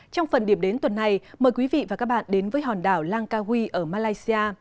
trong phần điểm đến tuần này mời quý vị và các bạn đến với hòn đảo langkawi ở malaysia